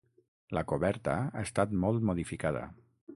La coberta ha estat molt modificada.